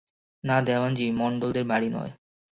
না দেওয়ানজি, মণ্ডলদের বাড়ি নয়।